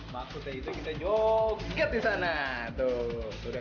maksudnya itu kita joget di sana tuh udah